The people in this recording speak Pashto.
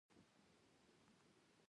د دوی له لورینې منندوی یم.